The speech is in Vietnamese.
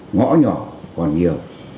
ngõ nhỏ còn nhiều